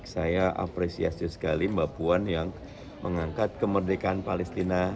saya apresiasi sekali mbak puan yang mengangkat kemerdekaan palestina